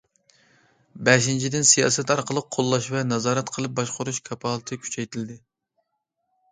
بەشىنچىدىن، سىياسەت ئارقىلىق قوللاش ۋە نازارەت قىلىپ باشقۇرۇش كاپالىتى كۈچەيتىلىدۇ.